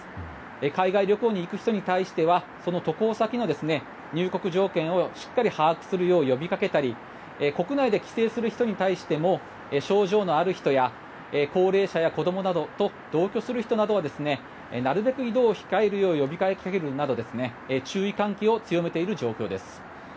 海外旅行に行く人に対してはその渡航先の入国条件をしっかり把握するよう呼びかけたり国内で帰省する人に対しても症状のある人や高齢者や子供などと同居する人などはなるべく移動を控えるよう呼びかけるなど注意喚起を強めている状況です。